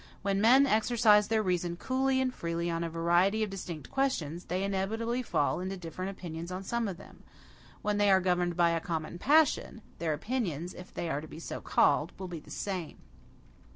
When men exercise their reason coolly and freely on a variety of distinct questions, they inevitably fall into different opinions on some of them. When they are governed by a common passion, their opinions, if they are so to be called, will be the same.